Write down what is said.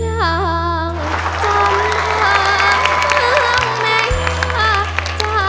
จำทางเครื่องแม่งค่ะ